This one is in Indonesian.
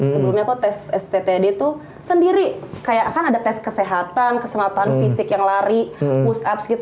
sebelumnya kok tes stt itu sendiri kayak kan ada tes kesehatan keselamatan fisik yang lari push ups gitu